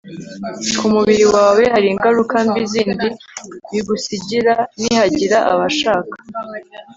ku mubiri wawe, hari ingaruka mbi zindi bigusigira. nihagira abashaka